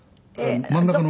真ん中の。